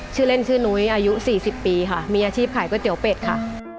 ชื่อเล่นชื่อนุ้ยอายุ๔๐ปีค่ะมีอาชีพขายก๋วยเตี๋ยวเป็ดค่ะ